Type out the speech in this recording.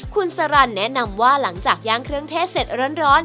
คุณสรรแนะนำว่าหลังจากย่างเครื่องเทศเสร็จร้อน